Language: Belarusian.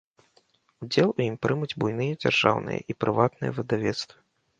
Удзел у ім прымуць буйныя дзяржаўныя і прыватныя выдавецтвы.